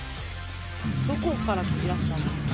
どこからいらしたんですか？